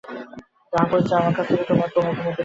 তার পরিচয় আমার কাছ থেকেই তোমাকে ক্রমে ক্রমে পেতে হবে।